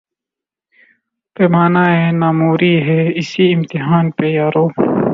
پیمان ء ناموری ہے، اسی امتحاں پہ یارو